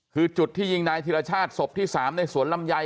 คือจุดที่ยิงนายธิรชาติศพที่๓ในสวนลำไย